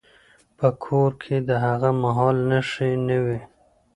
په کور کې د هغه مهال نښې نه وې.